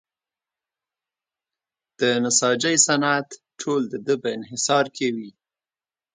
د نساجۍ صنعت ټول د ده په انحصار کې وي.